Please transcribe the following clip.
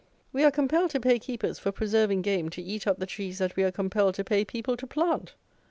We are compelled to pay keepers for preserving game to eat up the trees that we are compelled to pay people to plant!